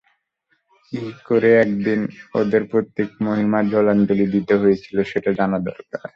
কী করে একদিন ওদের পৈতৃক মহিমা জলাঞ্জলি দিতে হয়েছিল সেটা জানা দরকার।